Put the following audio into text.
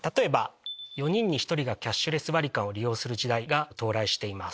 ４人に１人がキャッシュレス割り勘を利用する時代が到来しています。